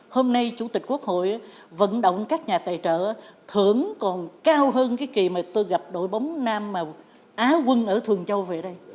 hôm nay chủ tịch quốc hội vận động các nhà tài trợ thưởng còn cao hơn cái kỳ mà tôi gặp đội bóng nam mà á quân ở thường châu về đây